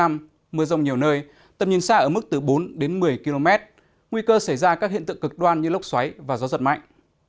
mưa rông nhiều nơi tầm nhìn xa ở mức từ bốn đến một mươi km nguy cơ xảy ra các hiện tượng cực đoan như lốc xoáy và gió giật mạnh